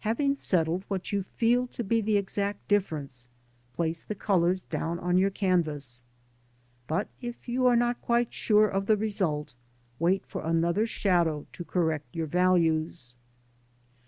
Having settled what you feel to be the exact difference, place the colours down upon your canvas. But if you are not quite sure of the result, wait for another shadow to correct your values.